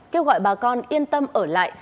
kêu gọi bà con yên tâm ở lại